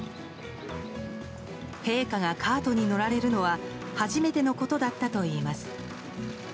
陛下がカートに乗られるのは初めてのことだったといいます。